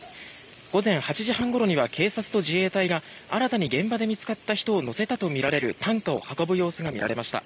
午後８時半ごろには自衛隊と警察が新たに現場で見つかった人を乗せたとみられる担架を運ぶ様子が見られました。